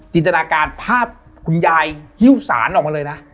จินตนาการภาพคุณยายฮิ้วสารออกมาเลยนะ